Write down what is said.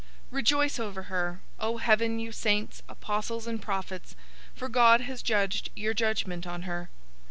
018:020 "Rejoice over her, O heaven, you saints, apostles, and prophets; for God has judged your judgment on her."